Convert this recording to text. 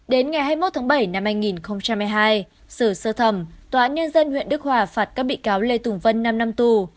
đến ngày hai mươi một tháng bảy năm hai nghìn hai mươi hai xử sơ thẩm tòa án nhân dân huyện đức hòa phạt các bị cáo lê tùng vân năm năm tù